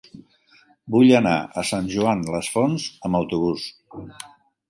Vull anar a Sant Joan les Fonts amb autobús.